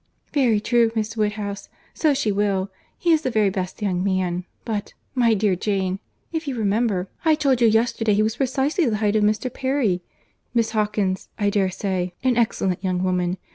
"Very true, Miss Woodhouse, so she will. He is the very best young man—But, my dear Jane, if you remember, I told you yesterday he was precisely the height of Mr. Perry. Miss Hawkins,—I dare say, an excellent young woman.